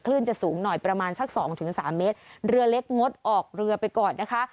คลื่นจะสูงหน่อยประมาณสัก๒๓เมตรเมื่อเล็กงดออกเรือไปก่อนนะคะ